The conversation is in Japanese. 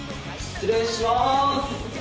失礼します！